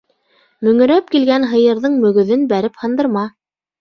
Мөңөрәп килгән һыйырҙың мөгөҙөн бәреп һындырма.